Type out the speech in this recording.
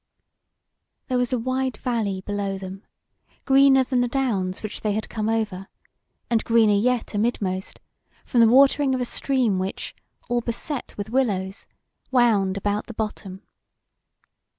There was a wide valley below them, greener than the downs which they had come over, and greener yet amidmost, from the watering of a stream which, all beset with willows, wound about the bottom.